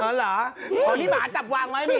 อ๋อเหรออันนี้หมาจับวางไว้นี่